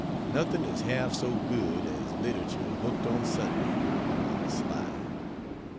Nothing is half so good as literature hooked on Sunday, on the sly.